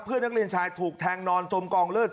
เพื่อนนักเรียนชายถูกแทงนอนจมกองเลิศ